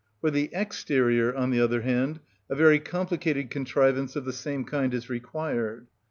For the exterior, on the other hand, a very complicated contrivance of the same kind is required.